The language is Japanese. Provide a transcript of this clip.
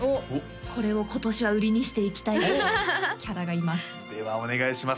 これを今年は売りにしていきたいというキャラがいますではお願いします